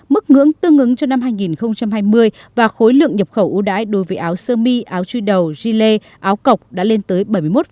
mức ngưỡng tương ứng cho năm hai nghìn hai mươi và khối lượng nhập khẩu ưu đáy đối với áo sơ mi áo chui đầu gilet áo cọc đã lên tới bảy mươi một năm